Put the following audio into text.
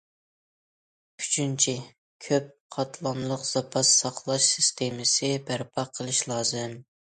ئۈچىنچى، كۆپ قاتلاملىق زاپاس ساقلاش سىستېمىسى بەرپا قىلىش لازىم.